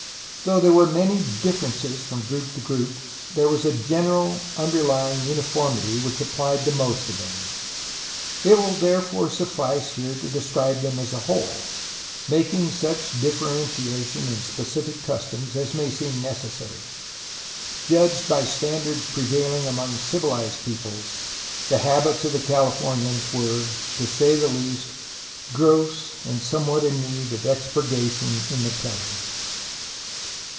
Though there were many differences from group to group, THE INDIANS 13 there was a general underlying uniformity which applied to most of them. It will therefore suffice here to describe them as a whole, making such differentiation in specific customs as may seem necessary. Judged by standards prevailing among civilized peoples, the habits of the Calif omians were, to say the least, gross and somewhat in need of expurga tion in the telling.